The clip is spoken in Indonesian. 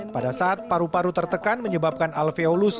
pada saat paru paru tertekan menyebabkan alveolus